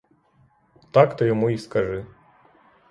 Так ти йому й скажи.